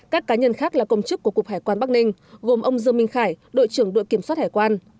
các cá nhân khác là công chức của cục hải quan bắc ninh gồm ông dương minh khải đội trưởng đội kiểm soát hải quan